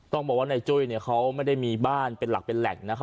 ต้องบอกเขาไม่ได้มีบ้านมาเป็นหลัก